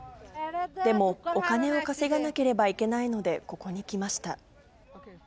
でも、お金を稼がなければいけないので、ここに来ました。